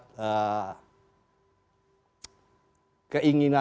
yang tidak bergantung dengan ibadah